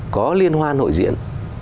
có liên hoan hội diễn